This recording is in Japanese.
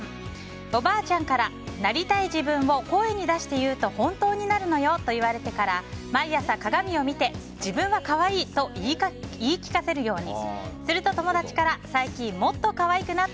おばあちゃんからなりたい自分を声に出して言うと本当になるのよと言われてから毎朝、鏡を見て、自分は可愛いと言い聞かせるように。